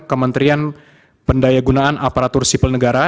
kementerian pendayagunaan aparatur sipil negara